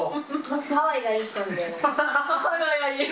ハワイがいい人？